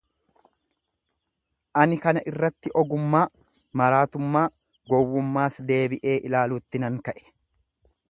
Ani kana irratti ogummaa, maraatummaa, gowwummaas deebi'ee ilaaluutti nan ka'e;